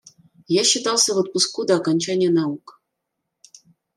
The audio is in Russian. Я считался в отпуску до окончания наук.